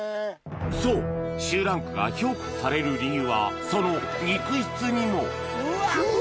そう秀ランクが評価される理由はその肉質にもうわっ！